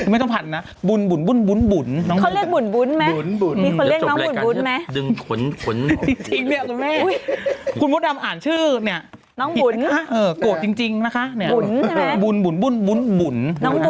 มีคนมาข่วงมาว่าชื่อน้องบุ๋นนะคะไม่ใช่บุ๋น